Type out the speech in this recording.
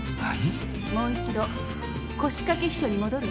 もう一度腰掛け秘書に戻るわ。